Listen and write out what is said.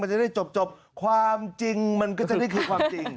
จะได้จบความจริงมันก็จะได้คือความจริง